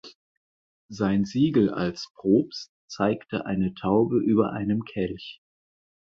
Sein Siegel als Propst zeigte eine Taube über einem Kelch.